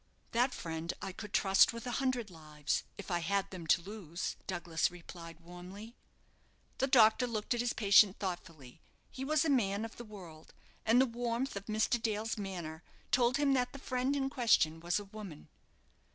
"That friend I could trust with a hundred lives, if I had them to lose," Douglas replied, warmly. The doctor looked at his patient thoughtfully. He was a man of the world, and the warmth of Mr. Dale's manner told him that the friend in question was a woman.